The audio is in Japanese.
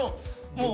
もう。